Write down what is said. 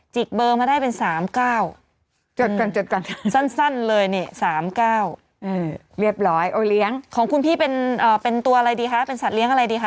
เบอร์มาได้เป็น๓๙สั้นเลยนี่๓๙เรียบร้อยโอเลี้ยงของคุณพี่เป็นตัวอะไรดีคะเป็นสัตว์อะไรดีคะ